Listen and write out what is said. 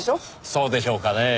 そうでしょうかねぇ。